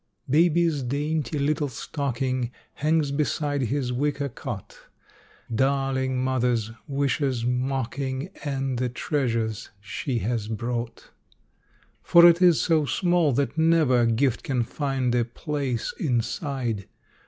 Baby's dainty little stocking Hangs beside his wicker cot, Darling mother's wishes mocking And the treasures she has brought. For it is so small that never Gift can find a place inside.